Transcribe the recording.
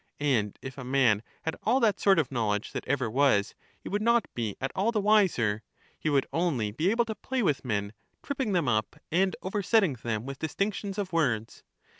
And if a man had all that sort of knowledge that ever was, he would not be at all the wiser; he would only be able to play with men, tripping them up and oversetting them with distinc tions of words.